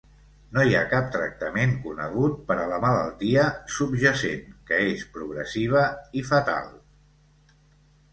No hi ha cap tractament conegut per a la malaltia subjacent, que és progressiva i fatal.